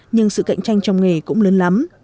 nhưng sự cạnh tranh trong nghề cũng lớn lắm